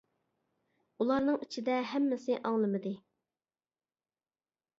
ئۇلارنىڭ ئىچىدە ھەممىسى ئاڭلىمىدى .